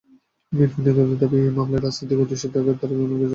BNP নেতাদের দাবি, এই মামলায় রাজনৈতিক উদ্দেশ্যে তারেক রহমানকে জড়ানো হয়েছে।